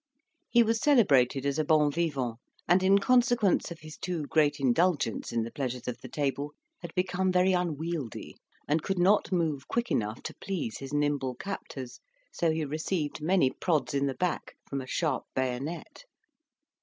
He was celebrated as a bon vivant, and in consequence of his too great indulgence in the pleasures of the table, had become very unwieldy and could not move quick enough to please his nimble captors, so he received many prods in the back from a sharp bayonet.